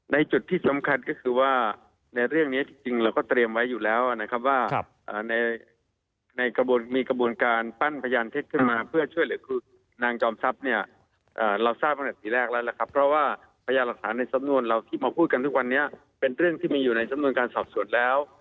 ในจุดที่สำคัญก็คือว่าในเรื่องนี้จริงเราก็เตรียมไว้อยู่แล้วนะครับว่าในกระบวนการปั้นพยานเท็จขึ้นมาเพื่อช่วยเหลือคือนางจอมทรัพย์เนี่ยเราทราบตั้งแต่ปีแรกแล้วล่ะครับเพราะว่าพยานหลักฐานในสำนวนเราที่มาพูดกันทุกวันนี้เป็นเรื่องที่มีอยู่ในสำนวนการสอบสวนแล้ว